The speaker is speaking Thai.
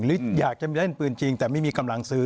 หรืออยากจะเล่นปืนจริงแต่ไม่มีกำลังซื้อ